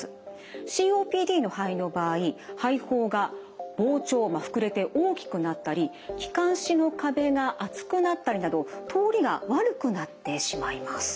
ＣＯＰＤの肺の場合肺胞が膨張膨れて大きくなったり気管支の壁が厚くなったりなど通りが悪くなってしまいます。